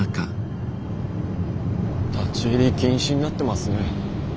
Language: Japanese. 立ち入り禁止になってますね。